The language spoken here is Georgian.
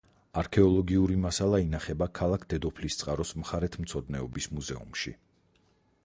არქეოლოგიური მასალა ინახება ქალაქ დედოფლისწყაროს მხარეთმცოდნეობის მუზეუმში.